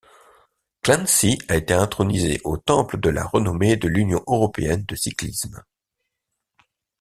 Clancy a été intronisé au Temple de la renommée de l'Union européenne de cyclisme.